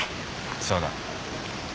そうだ。